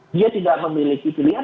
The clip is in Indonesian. dia tidak memiliki pilihan